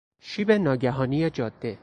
شیب ناگهانی جاده